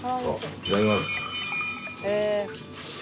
いただきます。